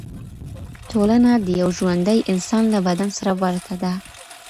ټولنه د یو ژوندي انسان له بدن سره ورته ده.